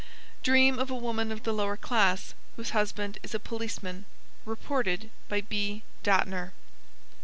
(Dream of a woman of the lower class, whose husband is a policeman, reported by B. Dattner.)